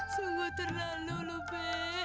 sungguh terlalu be